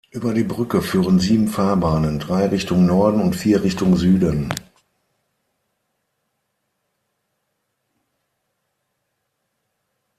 Über die Brücke führen sieben Fahrbahnen, drei Richtung Norden und vier Richtung Süden.